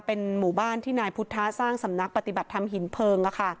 เป็นหมู่บ้านที่นายพุทธสร้างสำนักปฏิบัติธรรมหินเพลิง